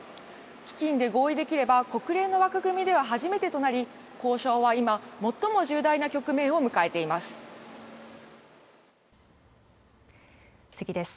基金で合意できれば国連の枠組みでは初めてとなり交渉は今、最も重大な局面を迎えています。